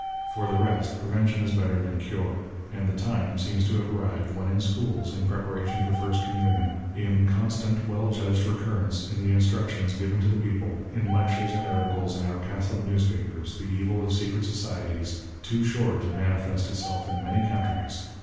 Por the rest, prevention is better than cure ; and the time seems to have arrived when in schools, in preparation for first communion, in constant, well judged recurrence in the instructions given to the people, in lectures and articles in our Catholic newspapers, the evil of secret societies — too sure to manifest itself in many countries — XXIV PREFACE.